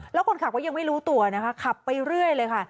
แล้วคนขับก็ยังไม่รู้ตัวนะคะขับไปเรื่อยเลยค่ะ